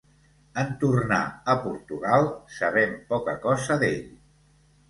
En tornar a Portugal sabem poca cosa d'ell.